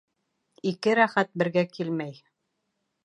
Ике рәхәт бергә килмәй.